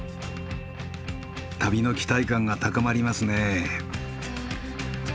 旅の期待感が高まりますね。